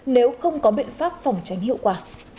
nếu không có biện pháp phòng tránh hiệu quả